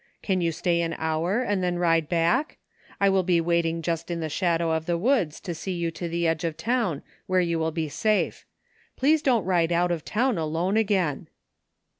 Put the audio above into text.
Can you stay an hour and then ride back? I will be waiting just in the shadow of the woods and see you to the edge of town where you will be safe. Please don't ride out of town alone again."